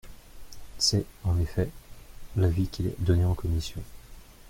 C’est, en effet, l’avis qu’il a donné en commission.